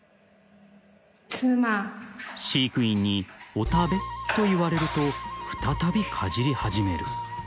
［飼育員に「お食べ」と言われると再びかじり始める］